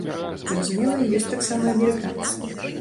Зразумела, ёсць таксама амерыканцы.